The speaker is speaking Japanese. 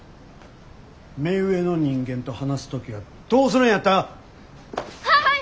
目上の人間と話す時はどうするんやった！？ははい！